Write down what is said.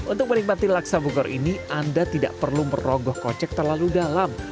untuk menikmati laksa bogor ini anda tidak perlu merogoh kocek terlalu dalam